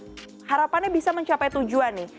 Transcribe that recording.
karena harapannya bisa mencapai tujuan